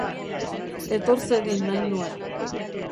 Etor zedin nahi nuen.